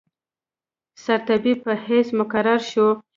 سرطبیب په حیث مقرر شو.